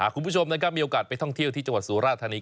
คุณผู้ชมนะครับมีโอกาสไปท่องเที่ยวที่จังหวัดสุราธานี